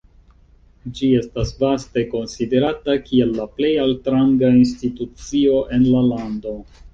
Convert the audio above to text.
Ĝi estas vaste konsiderata kiel la plej altranga institucio en la lando.